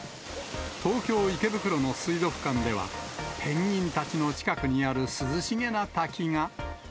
東京・池袋の水族館では、ペンギンたちの近くにある涼しげな滝が。